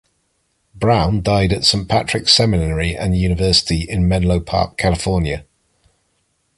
Brown died at Saint Patrick's Seminary and University in Menlo Park, California.